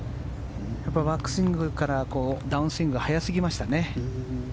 やっぱりバックスイングからダウンスイングが早すぎましたね。